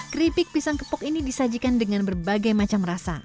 keripik pisang kepok ini disajikan dengan berbagai macam rasa